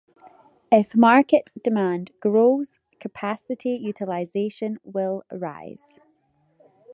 If market demand grows, capacity utilization will rise.